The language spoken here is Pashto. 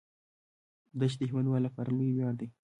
دښتې د هیوادوالو لپاره لوی ویاړ دی.